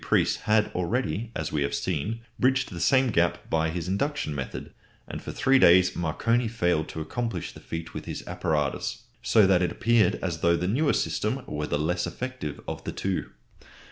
Preece had already, as we have seen, bridged the same gap by his induction method, and for three days Marconi failed to accomplish the feat with his apparatus, so that it appeared as though the newer system were the less effective of the two.